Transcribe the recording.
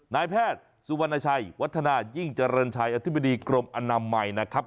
นายแพทย์สุวรรณชัยวัฒนายิ่งเจริญชัยอธิบดีกรมอนามัยนะครับ